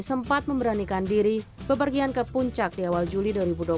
sempat memberanikan diri bepergian ke puncak di awal juli dua ribu dua puluh